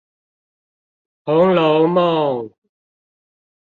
紅樓夢